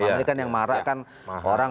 karena kan yang marah kan orang